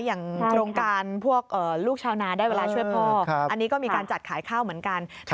อย่างโครงการพวกลูกชาวนาได้เวลาช่วยพ่ออันนี้ก็มีการจัดขายข้าวเหมือนกัน